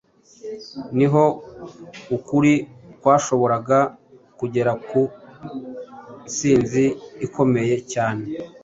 niho ukuri kwashoboraga kugera ku nsinzi ikomeye cyane.